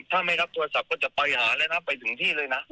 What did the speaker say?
ถ้าไม่รับโทรศัพท์ก็จะไปหาเลยนะไปถึงที่เลยนะ